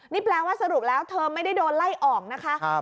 นี่แปลว่าสรุปแล้วเธอไม่ได้โดนไล่ออกนะคะ